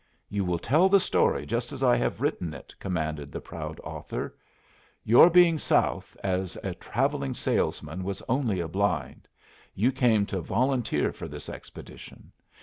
"You will tell the story just as I have written it," commanded the proud author. "Your being South as a travelling salesman was only a blind. You came to volunteer for this expedition.